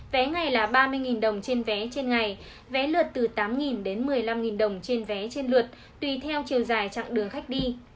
vé ngày là ba mươi đồng trên vé trên ngày vé lượt từ tám đến một mươi năm đồng trên vé trên lượt tùy theo chiều dài chặng đường khách đi